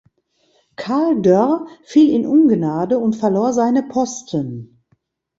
Karl Doerr fiel in Ungnade und verlor seine Posten.